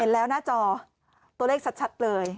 แล้วหน้าจอตัวเลขชัดเลย